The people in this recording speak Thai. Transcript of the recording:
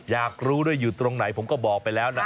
อยากรู้ด้วยอยู่ตรงไหนผมก็บอกไปแล้วนะครับ